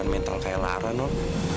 bukan mental kayak lara non